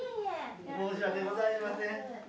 申し訳ございません。